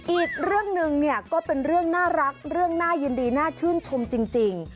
อีกเรื่องหนึ่งเนี่ยก็เป็นเรื่องน่ารักเรื่องน่ายินดีน่าชื่นชมจริง